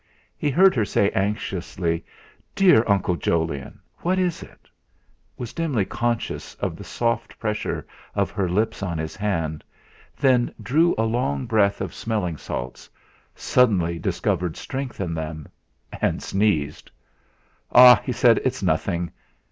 He heard her say anxiously: "Dear Uncle Jolyon, what is it?" was dimly conscious of the soft pressure of her lips on his hand; then drew a long breath of smelling salts, suddenly discovered strength in them, and sneezed. "Ha!" he said, "it's nothing.